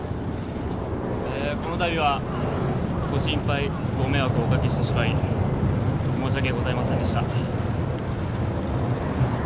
このたびは、ご心配、ご迷惑をおかけしてしまい、申し訳ございませんでした。